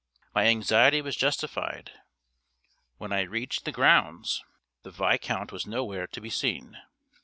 My anxiety was justified; when I reached the grounds, the Viscount was nowhere to be seen.